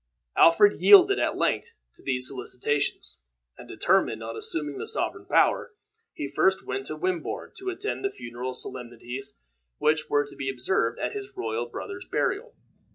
Alfred yielded at length to these solicitations, and determined on assuming the sovereign power. He first went to Wimborne to attend to the funeral solemnities which were to be observed at his royal brother's burial.